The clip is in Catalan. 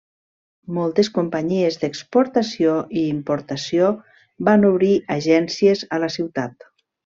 Moltes companyies d'exportació i importació van obrir agències a la ciutat.